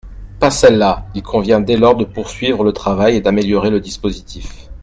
Pas celles-là ! Il convient dès lors de poursuivre le travail et d’améliorer le dispositif.